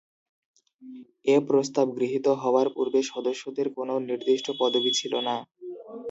এ প্রস্তাব গৃহীত হওয়ার পূর্বে সদস্যদের কোনো নির্দিষ্ট পদবি ছিল না।